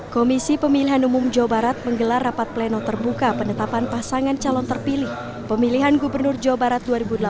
komisi pemilihan umum jawa barat menggelar rapat pleno terbuka penetapan pasangan calon terpilih pemilihan gubernur jawa barat dua ribu delapan belas